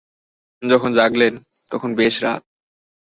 যখন জাগলেন, তখন বেশ রাত।